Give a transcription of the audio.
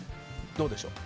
どうでしょう？